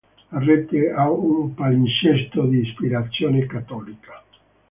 La rete ha un palinsesto di ispirazione cattolica.